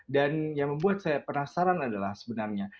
dan yang membuat saya penasaran adalah sebenarnya